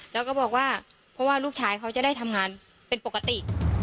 แล้วก็บอกว่าเพราะว่าลูกชายเขาจะได้ทำงานเป็นปกติ